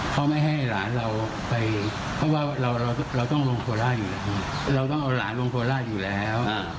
เขาไม่ให้หลานเราไปเพราะว่าเราต้องเอาหลานลงโฟล่าอยู่แล้ว